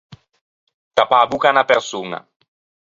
Tappâ a bocca à unna persoña.